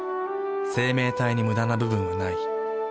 生命体にムダな部分はない。